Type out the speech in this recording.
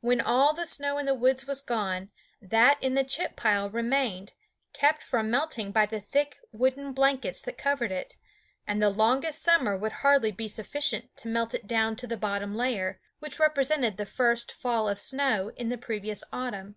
When all the snow in the woods was gone, that in the chip pile remained, kept from melting by the thick wooden blankets that covered it; and the longest summer would hardly be sufficient to melt it down to the bottom layer, which represented the first fall of snow in the previous autumn.